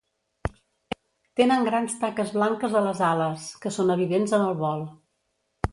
Tenen grans taques blanques a les ales, que són evidents en el vol.